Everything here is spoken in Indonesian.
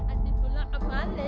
aku sudah kembali